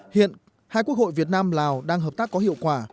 hiện hai quốc hội việt nam lào đang hợp tác có hiệu quả